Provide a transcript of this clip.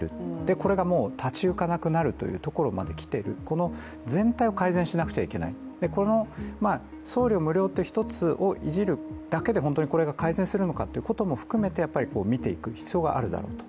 これが立ち行かなくなるというところまできている、この全体を改善しなくちゃいけない、この送料無料という一つをいじるだけで本当にこれが改善するのかということも含めて、見ていく必要があるだろうと。